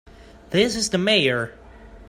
This is the Mayor.